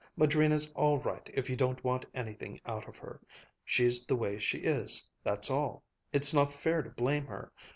Madrina's all right if you don't want anything out of her. She's the way she is, that's all. It's not fair to blame her.